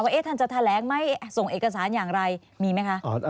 ท่านจะแถลงไหมส่งเอกสารอย่างไรมีไหมคะ